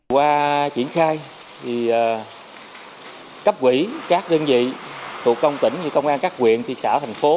qua triển khai cấp quỹ các đơn vị thuộc công tỉnh công an các quyện thị xã thành phố